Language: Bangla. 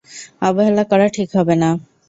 অবহেলা করা ঠিক হবে না।